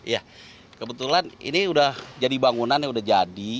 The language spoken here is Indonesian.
ya kebetulan ini udah jadi bangunan ya udah jadi